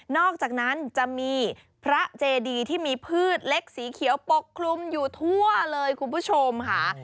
อกจากนั้นจะมีพระเจดีที่มีพืชเล็กสีเขียวปกคลุมอยู่ทั่วเลยคุณผู้ชมค่ะ